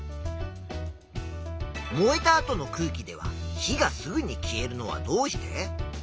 燃えた後の空気では火がすぐに消えるのはどうして？